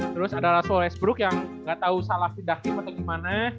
terus ada rasules brook yang nggak tahu salah pindah tim atau gimana